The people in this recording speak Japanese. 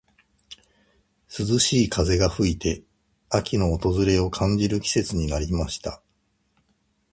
涼しい風が吹いて、秋の訪れを感じる季節になりました。